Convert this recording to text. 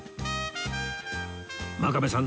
真壁さん